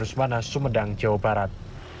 sumedang jawa barat